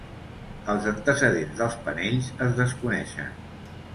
Els antecedents dels panells es desconeixen.